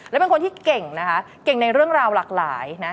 และเป็นคนที่เก่งนะคะเก่งในเรื่องราวหลากหลายนะ